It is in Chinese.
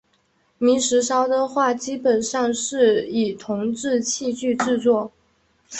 明石烧的话基本上是以铜制器具制作。